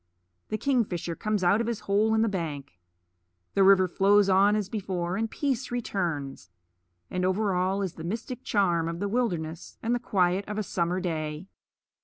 The kingfisher comes out of his hole in the bank. The river flows on as before, and peace returns; and over all is the mystic charm of the wilderness and the quiet of a summer day.